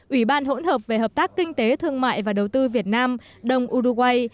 ủy ban hỗn hợp về hợp tác kinh tế thương mại và đầu tư việt nam đông uruguay